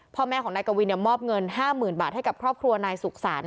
พ่อแม่ของนายกวินมอบเงิน๕๐๐๐บาทให้กับครอบครัวนายสุขสรรค